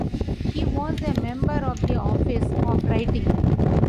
He was a member of the Office of Writing.